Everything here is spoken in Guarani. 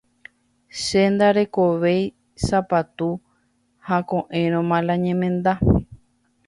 Che ndarekovéi sapatu ha ko'ẽrõma la ñemenda.